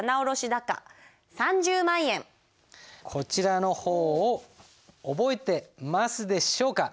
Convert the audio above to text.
こちらの方を覚えてますでしょうか？